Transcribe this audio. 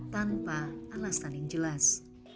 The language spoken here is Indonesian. tanpa alasan yang jelas